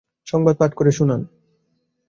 সংবাদ পাঠ করে শোনান।